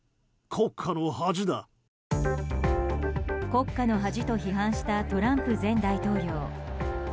国家の恥と批判したトランプ前大統領。